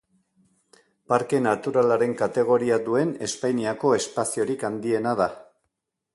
Parke naturalaren kategoria duen Espainiako espaziorik handiena da.